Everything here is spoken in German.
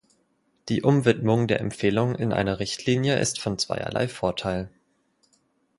Die Umwidmung der Empfehlung in eine Richtlinie ist von zweierlei Vorteil.